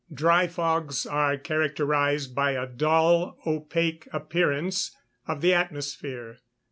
_ Dry fogs are characterised by a dull opaque appearance of the atmosphere.